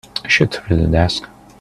Shoot through the desk.